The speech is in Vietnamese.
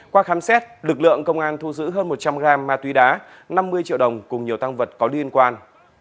qua khám xét lực lượng công an thu giữ hơn một trăm linh gram ma túy đá năm mươi triệu đồng cùng nhiều tăng vật có liên quan